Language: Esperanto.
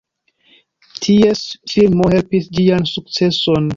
Ties filmo helpis ĝian sukceson.